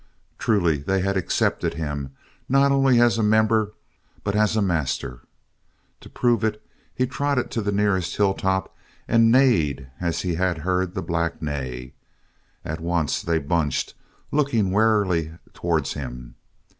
Truly they had accepted him not only as a member but as a master! To prove it, he trotted to the nearest hilltop and neighed as he had heard the black neigh. At once they bunched, looking warily towards him.